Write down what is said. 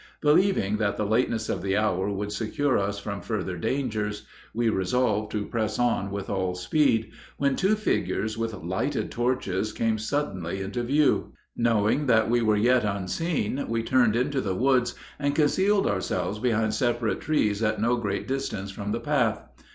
Believing that the lateness of the hour would secure us from further dangers, we resolved to press on with all speed, when two figures with lighted torches came suddenly into view. Knowing that we were yet unseen, we turned into the woods and concealed ourselves behind separate trees at no great distance from the path.